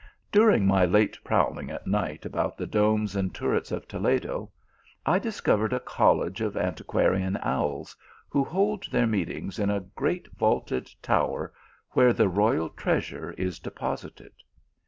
During my late prowling at night about the domes and turrets of Toledo, I discovered a college of antiquarian owls, who hold their meetings in a great vaulted tower where the royal treasure is deposited.